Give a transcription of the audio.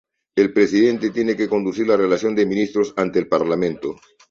El presidente tiene que conducir la relación de los ministros ante el Parlamento.